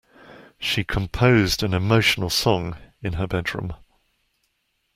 She composed an emotional song in her bedroom.